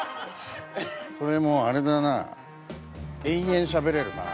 これもうあれだな延々しゃべれるな。